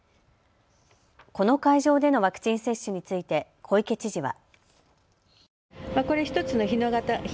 この会場でのワクチン接種について小池知事は。